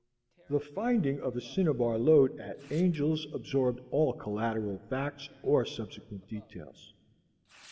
The finding of a cinnabar lode at Angel's absorbed all collateral facts or subsequent details.